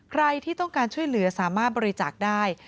ใครที่ต้องการช่วยเหลือสามารถบริจาคได้